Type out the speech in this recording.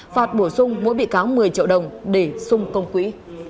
phạt bổ sung mỗi bị cáo một mươi triệu đồng để xung công quỹ